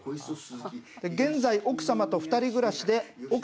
現在奥様と２人暮らしで。